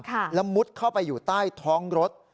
แล้วมุดเข้าไปอยู่ใต้ท้องรถ